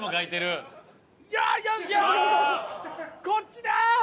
こっちだ！